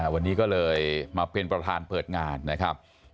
วันนี้ก็เลยมาเป็นประธานเปิดงานนะครับ